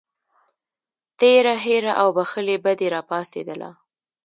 تېره هیره او بښلې بدي راپاڅېدله.